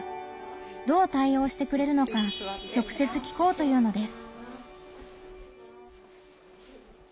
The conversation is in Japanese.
どう対応してくれるのか直接聞こうというのです。